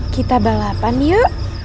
kita balapan yuk